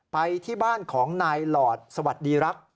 ไปที่บ้านของนายหลอดสวัสดีรัก